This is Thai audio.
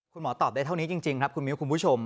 คุณหมอตอบได้เท่านี้จริงครับคุณมิ้วคุณผู้ชม